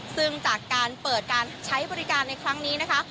ซึ่งจากการเปิดการใช้บริการในครั้งนี้นะคะ